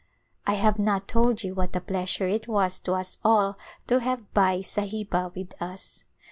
I have not told you what a pleasure it was to us all to have Bai Sahiba with us.